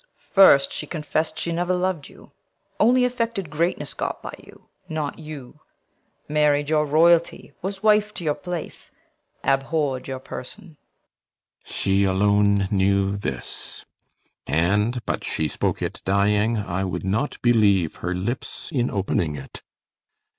CORNELIUS. First, she confess'd she never lov'd you; only Affected greatness got by you, not you; Married your royalty, was wife to your place; Abhorr'd your person. CYMBELINE. She alone knew this; And but she spoke it dying, I would not Believe her lips in opening it.